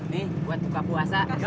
nih buat buka puasa